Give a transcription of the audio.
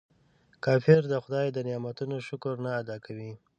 کافر د خداي د نعمتونو شکر نه ادا کوي.